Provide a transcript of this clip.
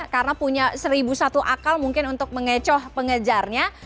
karena punya seribu satu akal mungkin untuk mengecoh pengejarnya